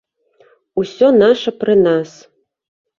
Усё наша пры нас.